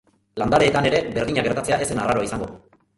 Landareetan ere berdina gertatzea ez zen arraroa izango.